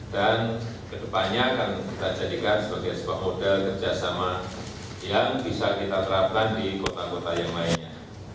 dan ke depannya akan kita jadikan sebagai sebuah model kerjasama yang bisa kita terapkan di kota kota yang lainnya